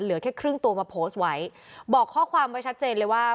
เหลือแค่ครึ่งตัวมาโพสต์ไว้บอกข้อความไว้ชัดเจนเลยว่า